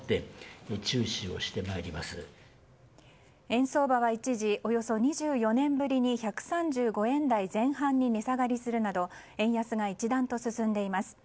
円相場は一時およそ２４年ぶりに１３５円台前半に値下がりするなど円安が一段と進んでいます。